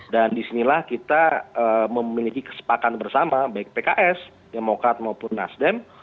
dan disinilah kita memiliki kesepakan bersama baik pks demokrat maupun nasdem